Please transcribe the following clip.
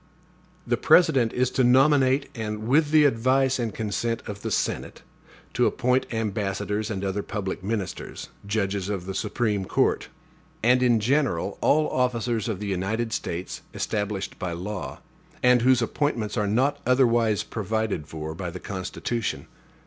The President is to nominate, and, with the advice and consent of the Senate, to appoint ambassadors and other public ministers, judges of the Supreme Court, and in general all officers of the United States established by law, and whose appointments are not otherwise provided for by the Constitution.